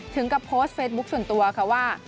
ถึงกับโพสต์เฟซบุ๊คส่วนตัวค่ะว่า